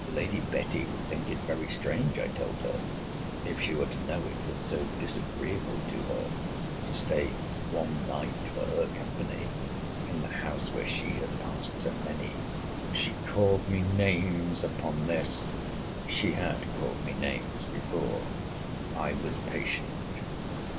Lady Betty would think it very strange, I told her, if she were to know it was so disagreeable to her to stay one night for her company in the house where she had passed so many. She called me names upon this—she had called me names before.—I was patient.